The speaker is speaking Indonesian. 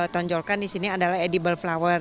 tonjolkan di sini adalah edible flower